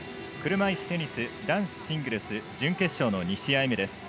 車いすテニス男子シングルス準決勝の２試合目。